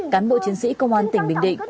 cán bộ chiến sĩ công an tỉnh bình định